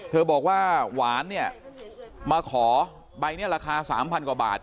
บอกว่าหวานเนี่ยมาขอใบนี้ราคา๓๐๐กว่าบาท